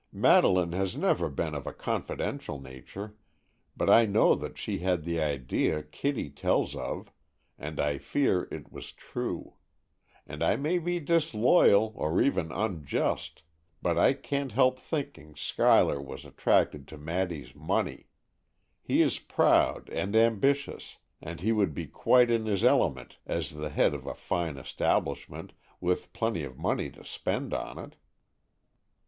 "Madeleine has never been of a confidential nature, but I know that she had the idea Kitty tells of, and I fear it was true. And I may be disloyal, or even unjust, but I can't help thinking Schuyler was attracted by Maddy's money. He is proud and ambitious, and he would be quite in his element as the head of a fine establishment, with plenty of money to spend on it."